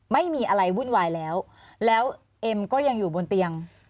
ไม่มีอะไรวุ่นวายแล้วแล้วเอ็มก็ยังอยู่บนเตียง